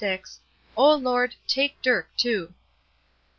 "O LORD, TAKE DIRK, TOO!"